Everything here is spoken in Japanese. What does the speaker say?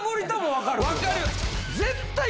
分かる！